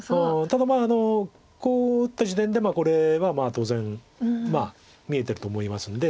ただこう打った時点でこれは当然まあ見えてると思いますんで。